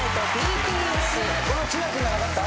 これは綱君が分かった？